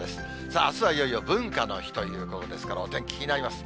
さあ、あすはいよいよ、文化の日ということですから、お天気、気になります。